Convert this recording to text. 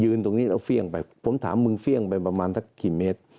ตรงนี้แล้วเฟี่ยงไปผมถามมึงเฟี่ยงไปประมาณสักกี่เมตร